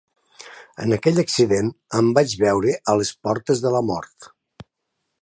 En aquell accident, em vaig veure a les portes de la mort.